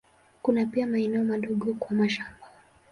Kuna pia maeneo madogo kwa mashamba.